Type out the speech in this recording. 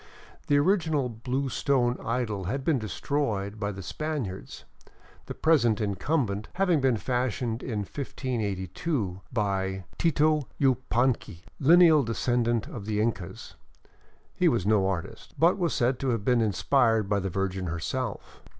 The original blue stone idol had been destroyed by the Spaniards, the present incumbent having been fashioned in 1582 by Tito Yupanqui, lineal descendant of the Incas. He was no artist, but was said to have been inspired by the Virgin herself.